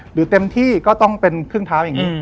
เต็มที่ก็ต้องเป็นครึ่งเท้าอย่างนี้